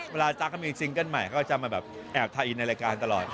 เวลาจ้าก็มีซิงเกิ้ลใหม่ก็จะมาแบบแอบถ่ายอินในรายการตลอด